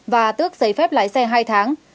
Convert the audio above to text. và tước giấy phép lái xe hai tháng